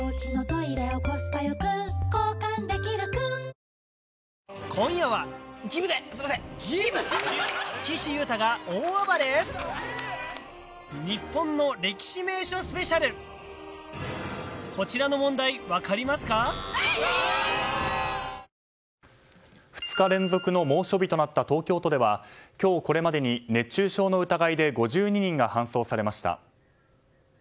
ＴＯＴＯいたれりつくせりバスルーム２日連続の猛暑日となった東京都では今日、これまでに熱中症の疑いで５２人が搬送されました。